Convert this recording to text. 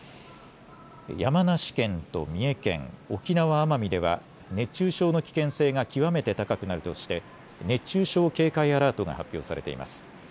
山梨県と三重県、沖縄奄美では熱中症の危険性が極めて高くなるとして熱中症警戒アラートが発表されています。